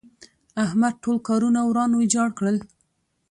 احمد ټول کارونه وران ويجاړ کړل.